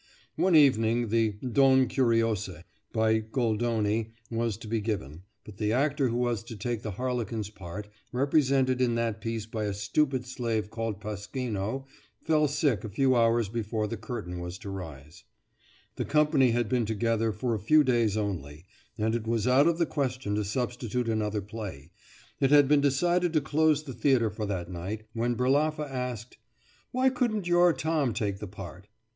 One evening the "Donne Curiose" by Goldoni was to be given, but the actor who was to take the harlequin's part, represented in that piece by a stupid slave called Pasquino, fell sick a few hours before the curtain was to rise. The company had been together for a few days only, and it was out of the question to substitute another play. It had been decided to close the theatre for that night, when Berlaffa asked: "Why couldn't your Tom take the part?"